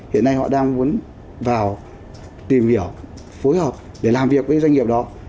hiện nay họ đang muốn vào tìm hiểu phối hợp để làm việc với doanh nghiệp đó